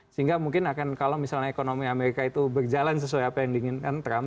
sehingga mungkin akan kalau misalnya ekonomi amerika itu berjalan sesuai apa yang diinginkan trump